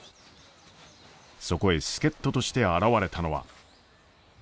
そこへ助っ人として現れたのは。